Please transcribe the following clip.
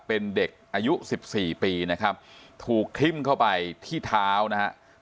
เป็นเด็กอายุสิบสี่ปีนะครับถูกทิ้มเข้าไปที่เท้านะฮะ